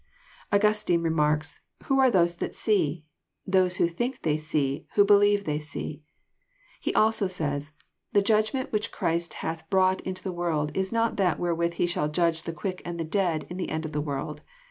Augustine remarks: Who are those that see? Those who think they see, who believe they see." He also says :The judgment which Christ hath brought into the world is not that wherewith He shall judge the quick and the dead in the end of the world.